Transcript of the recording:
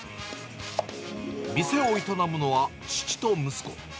店を営むのは、父と息子。